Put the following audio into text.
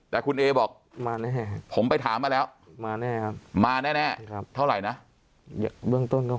เบื้องต้นก็๖๗๐ล้านครับ